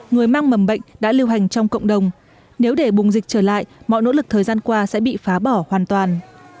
người mang mầm bệnh đã lưu hành trong cộng đồng nếu để bùng dịch trở lại mọi nỗ lực thời gian qua sẽ bị phá bỏ hoàn toàn